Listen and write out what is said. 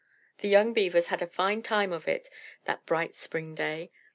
The young Beavers had a fine time of it that bright spring day.